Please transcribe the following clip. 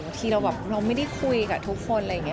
บางทีเราแบบเราไม่ได้คุยกับทุกคนอะไรอย่างนี้